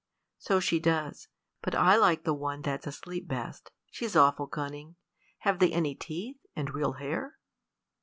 "So she does; but I like the one that's asleep best. She's awful cunning. Have they any teeth, and real hair?"